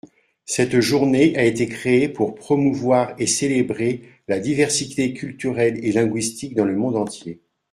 Cette journée a été créée pour promouvoir et célébrer la diversité culturelle et linguistique dans le monde entier.